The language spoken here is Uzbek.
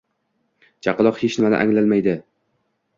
Chaqaloq hech nimani anglamaydi